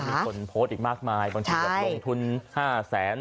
มีคนโพสต์อีกมากมายบางทีแบบลงทุน๕แสน